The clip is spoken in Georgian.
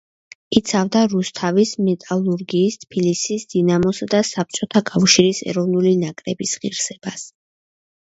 იცავდა რუსთავის „მეტალურგის“, თბილისის „დინამოსა“ და საბჭოთა კავშირის ეროვნული ნაკრების ღირსებას.